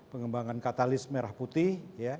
pengembangan katalis merah putih